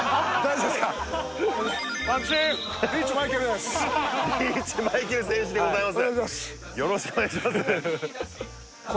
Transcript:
そしてリーチマイケル選手でございます